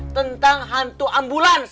tentang hantu ambulans